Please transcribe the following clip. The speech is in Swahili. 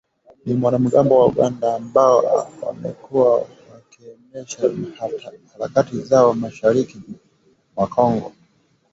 ni wanamgambo wa Uganda ambao wamekuwa wakiendesha harakati zao mashariki mwa Kongo